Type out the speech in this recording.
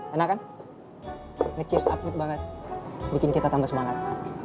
enak kan nge cheers up good banget bikin kita tambah semangat